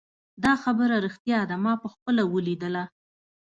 دا خبره ریښتیا ده ما پخپله ولیدله